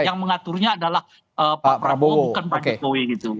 yang mengaturnya adalah pak prabowo bukan pak jokowi gitu